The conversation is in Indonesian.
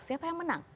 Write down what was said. siapa yang menang